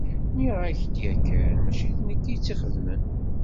Nniɣ-ak-d yakan mačči d nekk i tt-ixedmen.